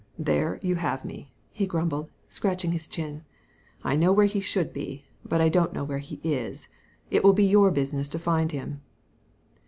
" There you have me/' he grumbled, scratching his chin. " I know where he should be, but I don't know where he is. It will be your business to find him."